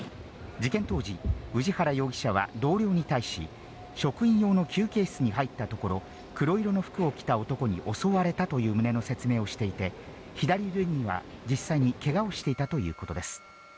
事件当時、氏原容疑者は同僚に対し、職員用の休憩室に入ったところ、黒色の服を着た男に襲われたという旨の説明をしていて、左腕には実際にけがをしていたということです。